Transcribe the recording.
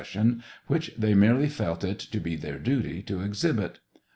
i\\ sion, which they merely felt it to be their duty to exhibit.